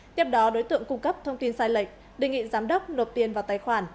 tiếp đó đối tượng cung cấp thông tin sai lệch đề nghị giám đốc nộp tiền vào tài khoản